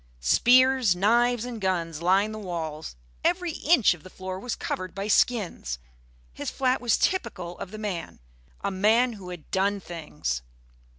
Spears, knives and guns lined the walls; every inch of the floor was covered by skins. His flat was typical of the man a man who had done things.